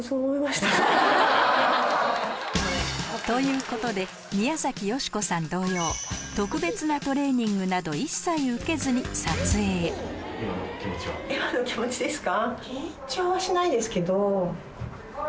ということで宮崎美子さん同様特別なトレーニングなど一切受けずに撮影へ今の気持ちですか？